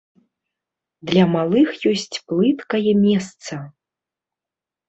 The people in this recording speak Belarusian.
Для малых ёсць плыткае месца.